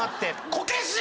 こけし！